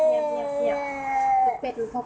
เงียบเงียบเงียบ